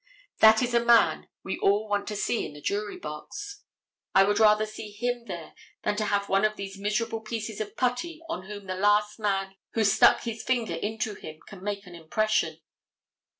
That is a man we all want to see in the jury box. I would rather see him there than to have one of these miserable pieces of putty on whom the last man who stuck his finger into him can make an impression.